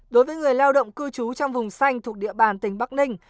đối với người lao động cư trú trong vùng xanh thuộc địa bàn tỉnh bắc ninh